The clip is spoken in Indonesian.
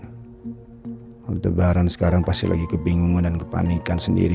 orang tebaran sekarang pasti lagi kebingungan dan kepanikan sendiri